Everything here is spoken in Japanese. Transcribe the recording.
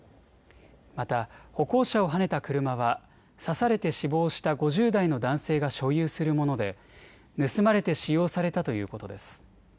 また歩行者をはねた車は刺されて死亡した５０代の男性が所有するもので盗まれて使用されたということです。